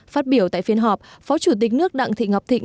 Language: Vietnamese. phát biểu tại phiên họp phó chủ tịch nước đặng thị ngọc thịnh